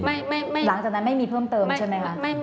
หลังจากนั้นไม่มีเพิ่มเติมใช่ไหมคะ